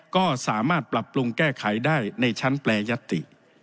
ก็สามารถปรับปรุงแก้ไขได้ในชั้นแปรยติ